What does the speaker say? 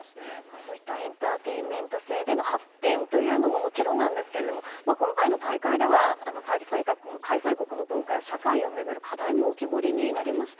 そういったエンターテインメント性での発展というのももちろんなんですが今回の大会では開催国の文化や社会を巡る課題も浮き彫りになりました。